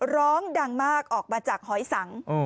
ร้องดังมากออกมาจากหอยสัง